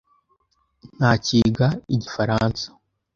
ntakiga igifaransa.